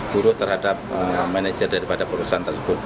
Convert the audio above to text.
buruh terhadap manajer daripada perusahaan tersebut